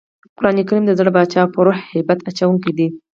قرانکریم د زړه باچا او پر روح هیبت اچوونکی دئ.